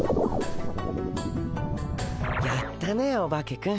やったねオバケくん。